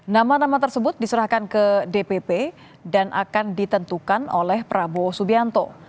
nama nama tersebut diserahkan ke dpp dan akan ditentukan oleh prabowo subianto